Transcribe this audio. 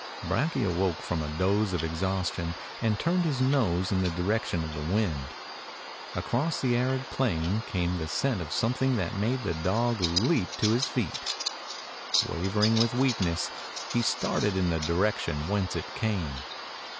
Brakje awoke from a doze of exhaustion and turned his nose in the direction of the wind. Across the arid plain came the scent of something that made the dog leap to his feet. Wavering with weakness, he started in the direction whence it came.